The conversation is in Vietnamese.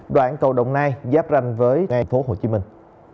đoạn cầu đồng nai giáp ranh với thành phố hồ chí minh